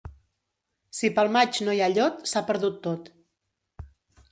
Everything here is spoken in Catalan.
Si pel maig no hi ha llot, s'ha perdut tot.